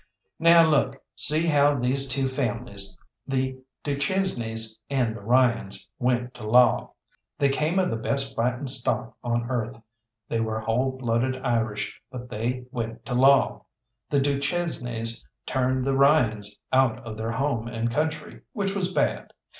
Now look, see how these two families, the du Chesnays and the Ryans, went to law. They came of the best fighting stock on earth; they were whole blooded Irish, but they went to law. The du Chesnays turned the Ryans out of their home and country, which was bad.